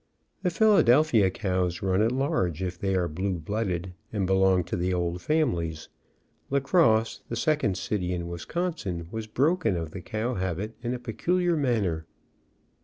The Philadelphia cows run at large if they are blue blooded and belong to the old families. La Crosse, the second city in Wis consin, was broken of the cow habit in a peculiar manner.